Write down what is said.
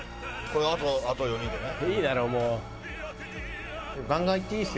これあとあと４人でね。